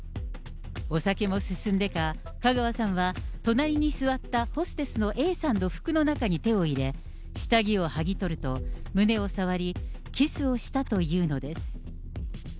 お酒も進んでか、香川さんは隣に座ったホステスのＡさんの服の中に手を入れ、下着をはぎ取ると、胸を触り、キスをしたというのです。